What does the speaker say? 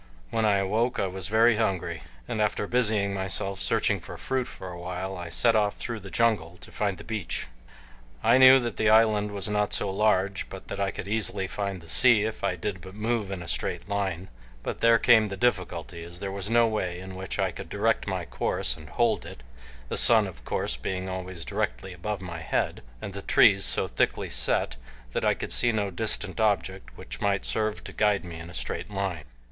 When I awoke I was very hungry, and after busying myself searching for fruit for a while, I set off through the jungle to find the beach. I knew that the island was not so large but that I could easily find the sea if I did but move in a straight line, but there came the difficulty as there was no way in which I could direct my course and hold it, the sun, of course, being always directly above my head, and the trees so thickly set that I could see no distant object which might serve to guide me in a straight line.